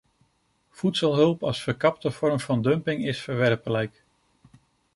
Voedselhulp als verkapte vorm van dumping is verwerpelijk.